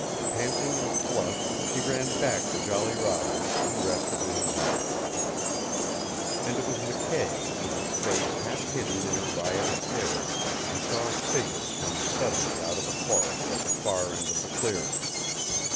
Panting and flushed she ran back to Jolly Roger, and rested in his arms. And it was McKay, with his face half hidden in her riotous hair, who saw a figure come suddenly out of the forest at the far end of the clearing.